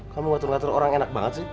kamu ngatur ngatur orang enak banget sih